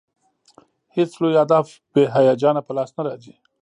هېڅ لوی هدف بې هیجانه په لاس نه راځي.